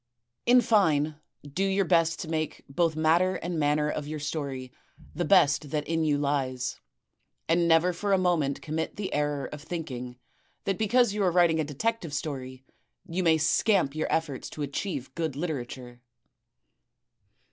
In fine, do your best to make both matter and manner of your story the best that in you lies; and never for a moment commit the error of thinking that because you are writing a detective story you may scamp your efforts to achieve good literature.